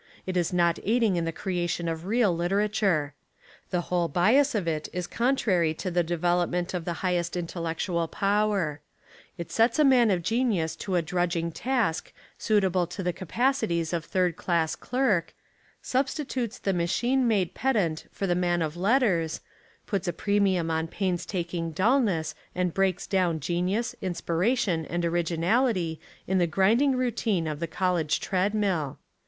It Is not aiding in the crea tion of a real literature. The whole bias of it is contrary to the development of the highest intellectual power: it sets a man of genius to a drudging task suitable to the capacities of third class clerk, substitutes the machine made pedant for the man of letters, puts a premium on painstaking dulness and breaks down genius, Inspiration, and originality in the grinding rou tine of the college tread mill.